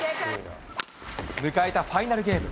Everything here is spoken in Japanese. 迎えたファイナルゲーム。